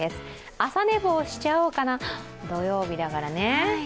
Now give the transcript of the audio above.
朝寝坊しちゃおうかな土曜日だからね。